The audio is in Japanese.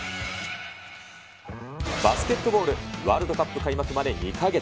バスケットボール、ワールドカップ開幕まで２か月。